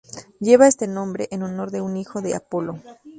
Lleva este nombre en honor de un hijo de Apolo.